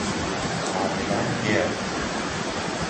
کاملا گرد